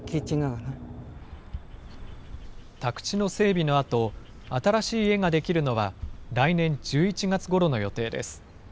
宅地の整備のあと、新しい家が出来るのは来年１１月ごろの予定です。